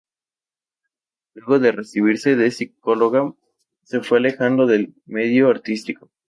Luego de recibirse de psicóloga se fue alejando del medio artístico.